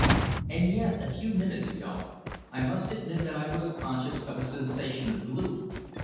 And yet, a few minutes ago, I must admit that I was conscious of a sensation of gloom.